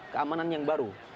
keamanan yang baru